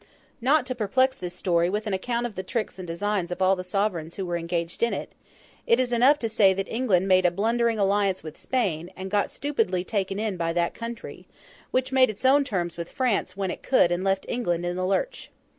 Not to perplex this story with an account of the tricks and designs of all the sovereigns who were engaged in it, it is enough to say that England made a blundering alliance with Spain, and got stupidly taken in by that country; which made its own terms with France when it could and left England in the lurch.